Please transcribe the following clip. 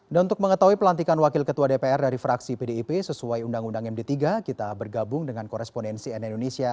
dan untuk mengetahui pelantikan wakil ketua dpr dari fraksi pdip sesuai undang undang md tiga kita bergabung dengan korespondensi nn indonesia